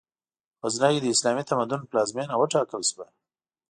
غزنی، د اسلامي تمدن پلازمېنه وټاکل شوه.